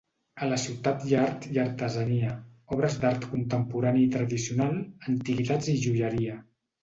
A la ciutat hi ha art i artesania, obres d'art contemporani i tradicional, antiguitats i joieria.